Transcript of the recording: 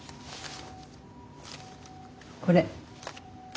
これ。